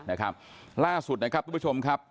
เนื่องจะไม่มีหรอกนะครับ